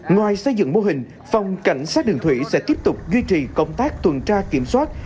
ngoài xây dựng mô hình phòng cảnh sát đường thủy sẽ tiếp tục duy trì công tác tuần tra kiểm soát